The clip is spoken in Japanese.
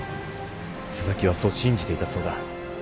紗崎はそう信じていたそうだ。